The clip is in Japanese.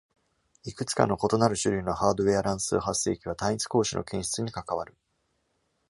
いくつかの異なる種類のハードウェア乱数発生器は単一光子の検出に関わる。